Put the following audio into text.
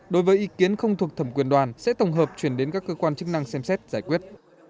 đối với ý kiến không thuộc thẩm quyền đoàn sẽ tổng hợp chuyển đến các cơ quan chức năng xem xét giải quyết